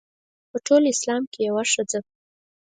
په ټول اسلام کې یوه ښځه.